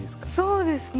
そうですね。